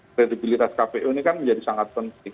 kredibilitas kpu ini kan menjadi sangat penting